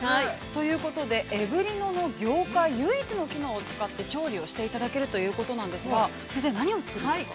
◆ということで、エブリノの業界唯一の機能を使って、調理をしていただけるということなんですが、先生、何を作るんですか。